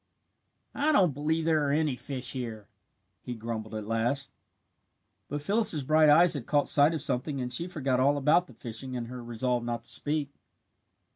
"I don't believe there are any fish here," he grumbled at last. But Phyllis's bright eyes had caught sight of something and she forgot all about the fishing and her resolve not to speak.